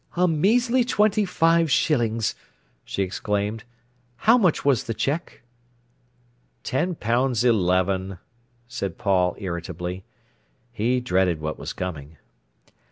"A measly twenty five shillings!" she exclaimed. "How much was the cheque?" "Ten pounds eleven," said Paul irritably. He dreaded what was coming.